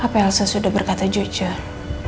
apa elsa sudah berkata jujur